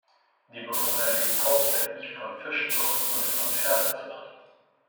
Die Bewohner leben hauptsächlich von Fischzucht und von Pferdezucht.